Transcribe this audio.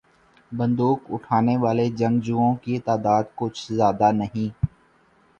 بندوق اٹھانے والے جنگجوؤں کی تعداد کچھ زیادہ نہیں۔